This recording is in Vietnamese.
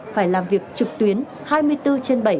phải làm việc trực tuyến hai mươi bốn trên bảy